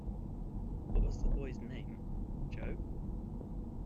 What was the boy's name, Jo?